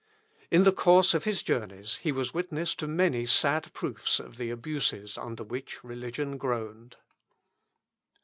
In the course of his journeys, he was witness to many sad proofs of the abuses under which religion groaned.